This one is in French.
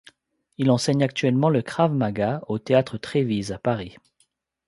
Il enseigne actuellement le krav-maga au Théâtre Trévise à Paris.